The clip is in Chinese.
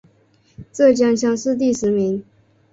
浙江乡试第十名。